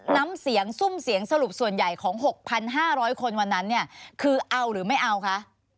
น้ำเสียงซุ่มเสียงสรุปส่วนใหญ่ของ๖๕๐๐คนวันนั้นเนี่ยคือเอาหรือไม่เอาคะ